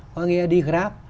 có nghĩa đi grab